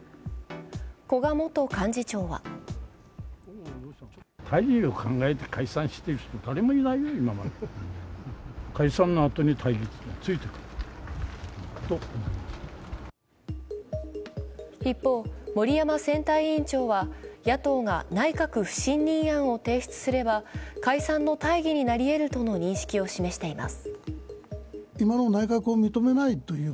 古賀元幹事長は一方、森山選対委員長は野党が内閣不信任案を提出すれば解散の大義になりえるとの認識を示しています。